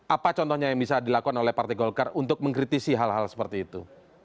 apa contohnya yang bisa dilakukan oleh partai golkar untuk mengkritisi hal hal seperti itu